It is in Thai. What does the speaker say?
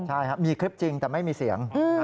ใช่ครับมีคลิปจริงแต่ไม่มีเสียง